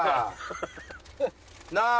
なあ！